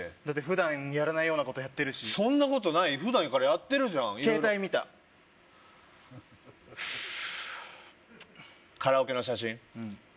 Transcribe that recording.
だって普段やらないようなことやってるしそんなことない普段からやってるじゃん携帯見たカラオケの写真？